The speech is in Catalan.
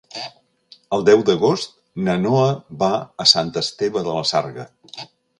El deu d'agost na Noa va a Sant Esteve de la Sarga.